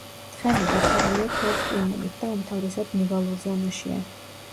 თხემი დაფარულია თოვლ-ყინულით და უმთავრესად ნივალურ ზონაშია.